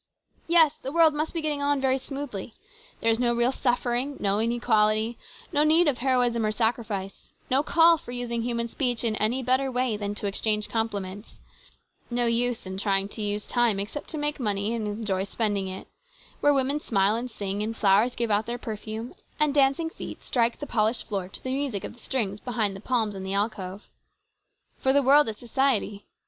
Yes, the world must be getting on very smoothly ; there is no real suffering, no inequality, no need of heroism or sacrifice, no call for using human speech in any better way than to exchange compli ments, no use in trying to use time except to make money and enjoy spending it, where women smile and sing, and flowers give out their perfume, and dancing feet strike the polished floor to the music of the strings behind the palms in the alcove. For the 214 HIS BROTHER'S KEEPER. world is society.